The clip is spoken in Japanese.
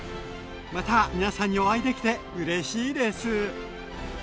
また皆さんにお会いできてうれしいです！